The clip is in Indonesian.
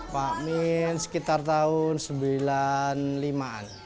pak min sekitar tahun seribu sembilan ratus sembilan puluh lima an